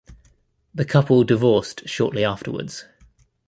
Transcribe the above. The couple divorced shortly afterwards.